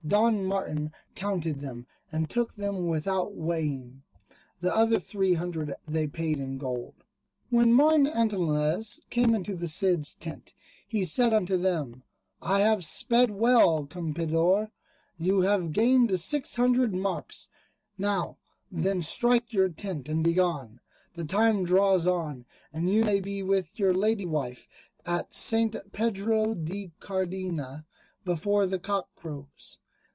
Don Martin counted them, and took them without weighing. The other three hundred they paid in gold. When Martin Antolinez came into the Cid's tent he said unto him, "I have sped well, Campeador! you have gained six hundred marks. Now then strike your tent and be gone. The time draws on, and you may be with your Lady Wife at St. Pedro de Cardena, before the cock crows."